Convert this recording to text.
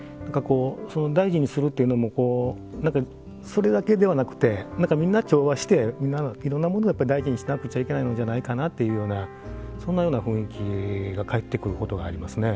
その大事にするというのも何かそれだけではなくてみんな調和していろんなものを大事にしなくちゃいけないのじゃないかなというようなそんなような雰囲気が返ってくることがありますね。